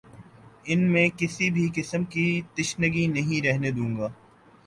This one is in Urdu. ان میں کسی بھی قسم کی تشنگی نہیں رہنے دوں گا